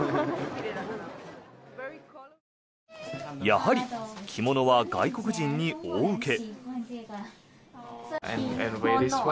やはり着物は外国人に大受け。